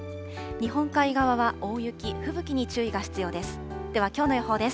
日本海側は大雪、吹雪に注意が必要です。